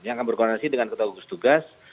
yang berkoneksi dengan ketua kegugus tugas